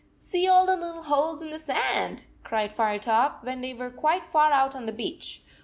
"See all the little holes in the sand," cried Firetop, when they were quite far out on the beach.